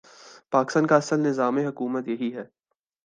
پاکستان کا اصل نظام حکومت یہی ہے۔